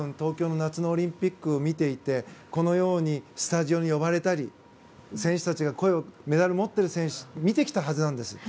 夏の東京オリンピックを見ていてこのようにスタジオに呼ばれたりメダルを持っていた選手を見てきたはずです。